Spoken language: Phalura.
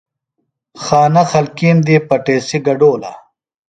خانہ خلکیم دی پٹیسی گڈولہ۔